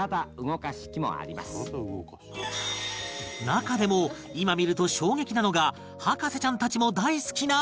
中でも今見ると衝撃なのが博士ちゃんたちも大好きなこちら